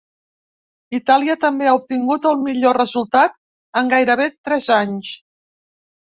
Itàlia també ha obtingut el millor resultat en gairebé tres anys.